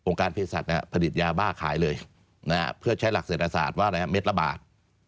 การเพศสัตว์ผลิตยาบ้าขายเลยเพื่อใช้หลักเศรษฐศาสตร์ว่าอะไรเม็ดละบาท